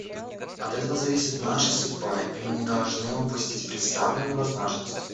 От этого зависит наша судьба, и мы не должны упустить предоставленную возможность.